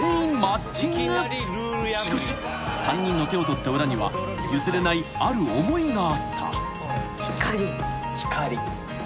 ［しかし３人の手を取った裏には譲れないある思いがあった］